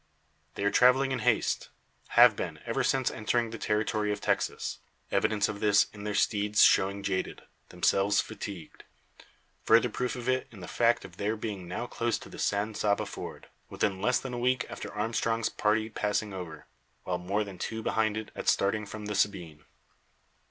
They are travelling in haste have been ever since entering the territory of Texas. Evidence of this in their steeds showing jaded, themselves fatigued. Further proof of it in the fact of their being now close to the San Saba ford, within less than a week after Armstrong's party passing over, while more than two behind it at starting from the Sabine.